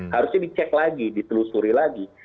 harusnya dicek lagi ditelusuri lagi